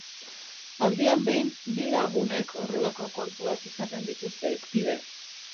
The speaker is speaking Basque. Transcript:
Aldian behin, bi lagunek horrelako kontuak izaten dituzte hizpide.